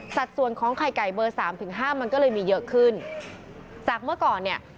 ส่วนของไข่ไก่เบอร์สามถึงห้ามันก็เลยมีเยอะขึ้นจากเมื่อก่อนเนี่ย